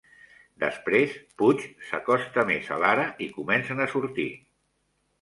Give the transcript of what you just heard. Després, Pudge s'acosta més a Lara i comencen a sortir.